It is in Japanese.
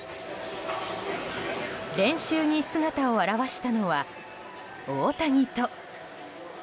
練習に姿を現したのは大谷と。